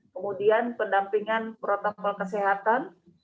kemudian pendampingan protokol kesehatan